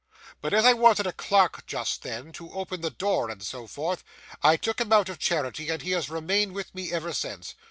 'But as I wanted a clerk just then, to open the door and so forth, I took him out of charity, and he has remained with me ever since.